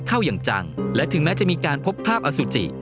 อย่างจังและถึงแม้จะมีการพบคราบอสุจิ